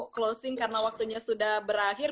closing karena waktunya sudah berakhir